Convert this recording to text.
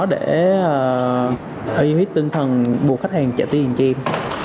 để ưu huyết tinh thần buộc khách hàng trả tiền cho em